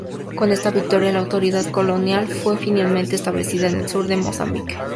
Con esta victoria la autoridad colonial fue finalmente establecida en el sur de Mozambique.